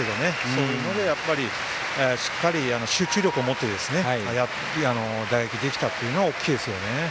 そういうのでしっかり集中力を持って打撃できたのは大きいですね。